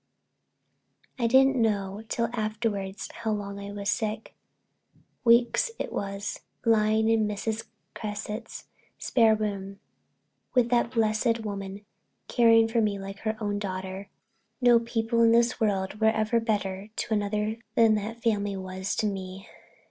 I didn't know till afterwards how long I was sick—weeks it was—lying in Mrs. Cresset's spare room with that blessed woman caring for me like her own daughter. No people in this world were ever better to another than that family was to me.